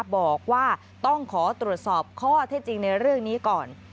บอกว่าต้องขอตรวจสอบข้อเท็จจริงในเรื่องนี้ก่อน